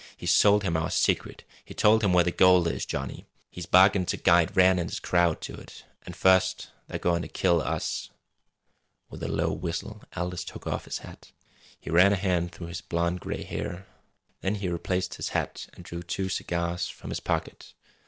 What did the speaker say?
"He's sold him our secret. He's told him where the gold is, Johnny! He's bargained to guide Rann an' his crowd to it! An' first they're goin' to kill us!" With a low whistle Aldous took off his hat. He ran a hand through his blond gray hair. Then he replaced his hat and drew two cigars from his pocket.